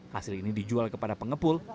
hasil ini dijual kepada pengepul